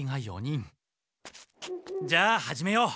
じゃあ始めよう。